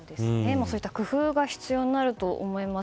そういった工夫が必要になると思います。